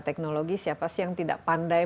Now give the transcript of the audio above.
teknologi siapa sih yang tidak pandai